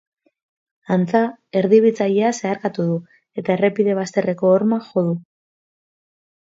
Antza, erdibitzailea zeharkatu du, eta errepide bazterreko horma jo du.